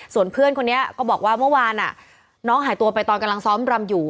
ส่วนเพื่อนคนนี้ก็บอกว่าเมื่อวานน้องหายตัวไปตอนกำลังซ้อมรำอยู่